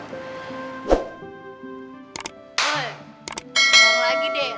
pengong lagi deh